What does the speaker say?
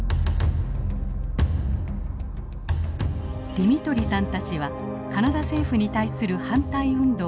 ディミトリさんたちはカナダ政府に対する反対運動を展開。